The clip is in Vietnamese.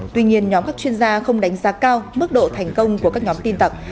tuy nhiên nhóm các chuyên gia không đánh giá cao mức độ thành công của các nhóm tin tặc